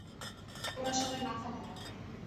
ওরা সবাই মাথা মোটা।